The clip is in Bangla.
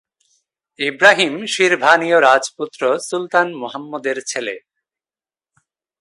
ইব্রাহিম, শিরভানীয় রাজপুত্র সুলতান মুহাম্মদের ছেলে।